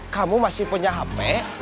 kamu masih punya hp